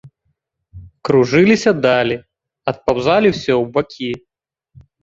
Кружыліся далі, адпаўзалі ўсё ў бакі.